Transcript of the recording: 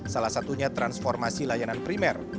salah satunya transformasi layanan primer